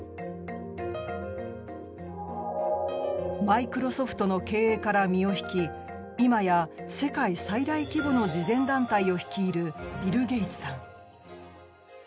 マイクロソフトの経営から身を引き今や世界最大規模の慈善団体を率いる、ビル・ゲイツさん。